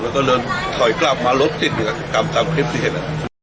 แล้วก็เลยถอยกราบมาลดจริงกับกลางคลิปที่เห็น